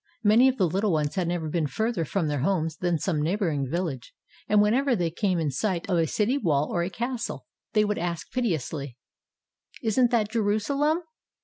Many of the little ones had never been farther from their homes than some neighboring village, and whenever they came in sight of a city wall or a castle, they would ask piteously, "Is n't that Jerusalem?"